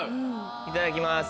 いただきます。